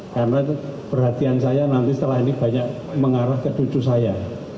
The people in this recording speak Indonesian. karena perhatian saya nanti setelah ini banyak mengarah ke duduk saya